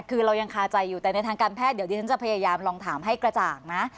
คือเรายังคาใจอยู่แต่ในทางการแพทย์เดี๋ยวดิฉันจะพยายามลองถามให้กระจ่างนะ